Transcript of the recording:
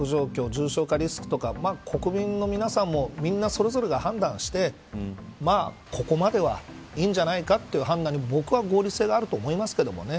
重症化リスクとか国民の皆さんもみんなそれぞれが判断してここまではいいんじゃないかという判断に僕は合理性があると思いますけどね。